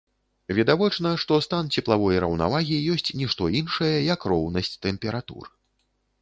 Відавочна, што стан цеплавой раўнавагі ёсць нішто іншае, як роўнасць тэмператур.